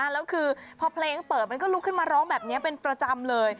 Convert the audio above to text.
แล้วคือพอเพลงเปิดมันก็ลุกขึ้นมาร้องแบบนี้เป็นประจำเลย